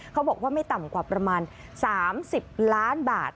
เขาบอกว่าไม่ต่ำกว่าประมาณ๓๐ล้านบาท